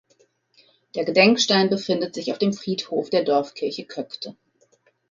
Der Gedenkstein befindet sich auf dem Friedhof der Dorfkirche Köckte.